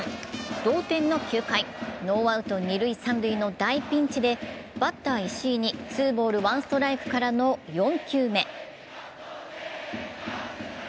同点の９回、ノーアウト二・三塁の大ピンチでバッター・石井にツーボール・ワンストライクからの４球目。